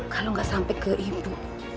kalau gak sampe ke ibu